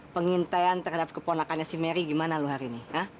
pengintaian terhadap keponakannya si meri gimana lo hari ini